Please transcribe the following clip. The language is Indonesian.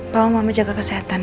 tolong mama jaga kesehatan ya